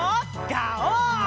ガオー！